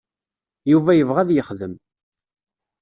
Yuba yebɣa ad yexdem.